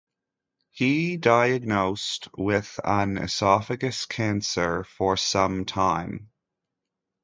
He diagnosed with an esophagus cancer for some time.